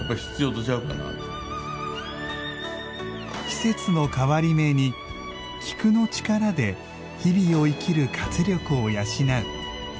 季節の変わり目に菊の力で日々を生きる活力を養う。